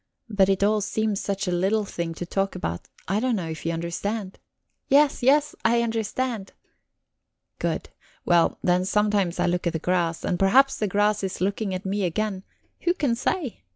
But it all seems such a little thing to talk about I don't know if you understand?" "Yes, yes, I understand." "Good. Well, then sometimes I look at the grass, and perhaps the grass is looking at me again who can say?